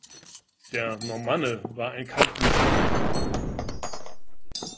Der "Normanne" war ein Kaltblüter.